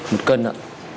một cân ạ